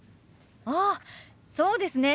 ああそうですね。